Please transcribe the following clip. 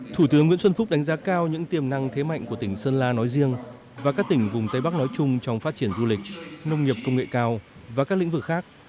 thủ tướng nguyễn xuân phúc đánh giá cao những tiềm năng thế mạnh của tỉnh sơn la nói riêng và các tỉnh vùng tây bắc nói chung trong phát triển du lịch nông nghiệp công nghệ cao và các lĩnh vực khác